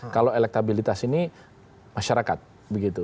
kalau elektabilitas ini masyarakat begitu